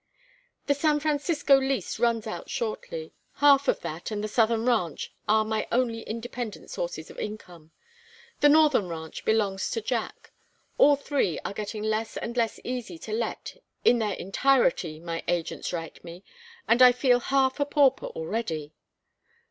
"The San Francisco lease runs out shortly. Half of that, and the southern ranch, are my only independent sources of income. The northern ranch belongs to Jack. All three are getting less and less easy to let in their entirety, my agents write me, and I feel half a pauper already."